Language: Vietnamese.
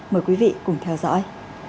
mời quý vị cùng theo dõi